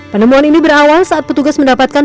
penemuan ini berawal saat petugas mendapatkan